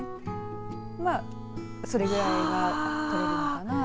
まあ、それぐらいは食べられるのかなと。